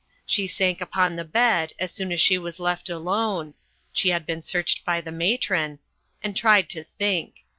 She sank upon the bed, as soon as she was left alone she had been searched by the matron and tried to think.